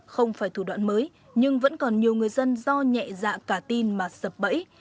không phải thủ đoạn mới nhưng vẫn còn nhiều người dân do nhẹ dạ cả tin mà sập bẫy